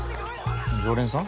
常連さん？